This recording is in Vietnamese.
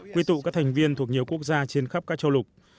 quy tụ các thành viên thuộc nhiều quốc gia trên khắp các châu lục